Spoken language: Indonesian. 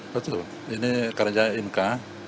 betul ini karya inka